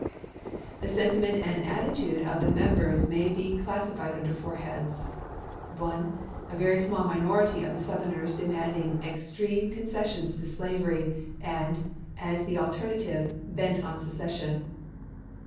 The sentiment and attitude of the members may be classified under four heads. 1. A very small minority of Southerners demanding extreme con 232 ABRAHAM LINCOLN chap. xiv. cessions to slavery and, as the alternative, bent on secession.